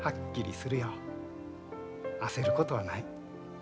焦ることはない。